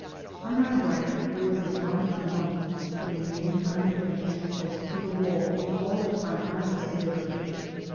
On my right there was a young monk, who remained on a bench close to the wall all the time I was there.